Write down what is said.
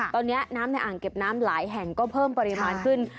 ตอนนี้น้ำในอ่างเก็บน้ำหลายแห่งก็เพิ่มปริมาณขึ้น